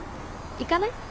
行かない？